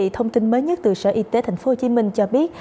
thông tin mới nhất từ sở y tế tp hcm cho biết